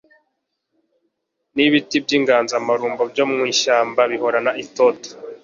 nibiti byinganzamarumbo byo mw ishyamba bihoranitoto